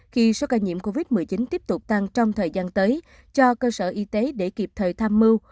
khi số ca nhiễm covid một mươi chín tiếp tục tăng trong thời gian tới cho cơ sở y tế để kịp thời tham mưu